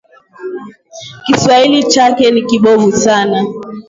Kiswahili chake ni kibovu sana